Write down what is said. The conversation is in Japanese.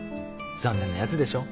残念なやつでしょ。